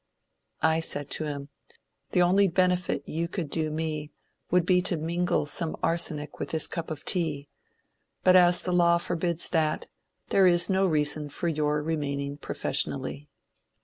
I said to him, ^ The only benefit you could do me would be to mingle some arsenic with this cup of tea, but as the law forbids that, there is no reason for your remaining professionally.'